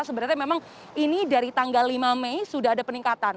sebenarnya memang ini dari tanggal lima mei sudah ada peningkatan